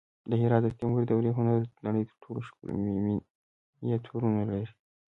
د هرات د تیموري دورې هنر د نړۍ تر ټولو ښکلي مینیاتورونه لري